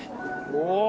おお！